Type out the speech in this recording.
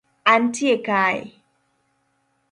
Antie kae